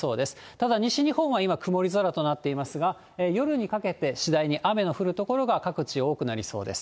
ただ西日本は今、曇り空となっていますが、夜にかけて、次第に雨の降る所が各地多くなりそうです。